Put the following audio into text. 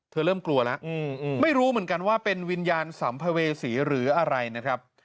เริ่มกลัวแล้วไม่รู้เหมือนกันว่าเป็นวิญญาณสัมภเวษีหรืออะไรนะครับ